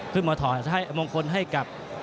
ขึ้นมาถอดมงคลให้กับ